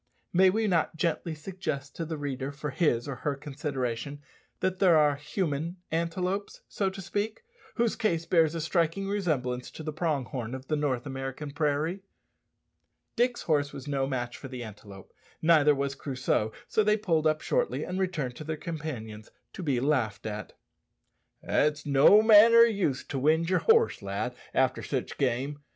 May we not gently suggest to the reader for his or her consideration that there are human antelopes, so to speak, whose case bears a striking resemblance to the prong horn of the North American prairie? Dick's horse was no match for the antelope, neither was Crusoe; so they pulled up shortly and returned to their companions, to be laughed at. "It's no manner o' use to wind yer horse, lad, after sich game.